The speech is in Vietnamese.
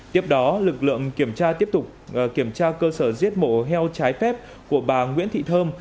tiếp đó lực lượng kiểm tra tiếp tục kiểm tra cơ sở giết mổ heo trái phép của bà nguyễn thị thơm